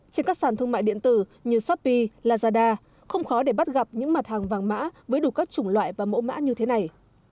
trên các sàn thương mại điện tử như shopee lazada không khó để bắt gặp những mặt hàng vàng mã với đủ các chủng loại và mẫu mã như thế này